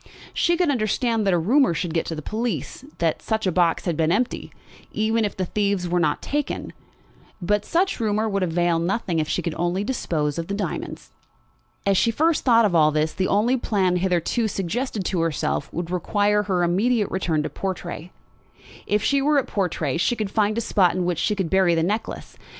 She could understand that a rumour should get to the police that the box had been empty, even if the thieves were not taken; but such rumour would avail nothing if she could only dispose of the diamonds. As she first thought of all this, the only plan hitherto suggested to herself would require her immediate return to Portray. If she were at Portray she could find a spot in which she could bury the necklace.